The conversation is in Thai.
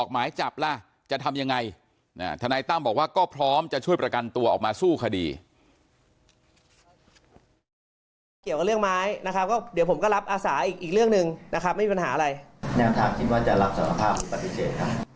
เกี่ยวกับเรื่องไม้นะครับก็เดี๋ยวผมก็รับอาสาอีกอีกเรื่องหนึ่งนะครับไม่มีปัญหาอะไรแน่นทางคิดว่าจะรับสารภาพหรือปฏิเสธครับ